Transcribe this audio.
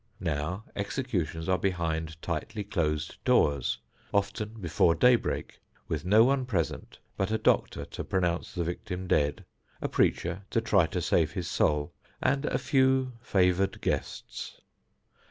Now executions are behind tightly closed doors, often before day break, with no one present but a doctor to pronounce the victim dead, a preacher to try to save his soul, and a few favored guests.